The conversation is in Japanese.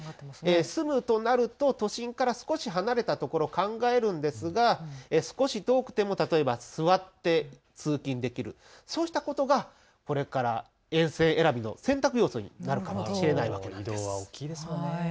住むとなると都心から少し離れたところを考えるんですが少し遠くても、例えば座って通勤できる、そうしたことがこれから沿線選びの選択要素になるかもしれないんです。